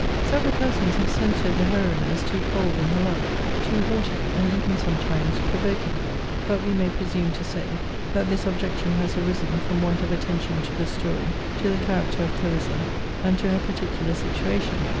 Several persons have censured the heroine as too cold in her love, too haughty, and even sometimes provoking. But we may presume to say, that this objection has arisen from want of attention to the story, to the character of Clarissa, and to her particular situation.